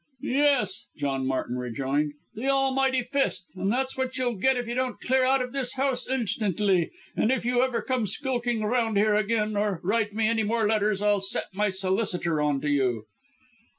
"Yes!" John Martin rejoined; "the almighty fist and that's what you'll get if you don't clear out of this house instantly. And if you ever come skulking round here again, or write me any more letters I'll set my. solicitor on to you."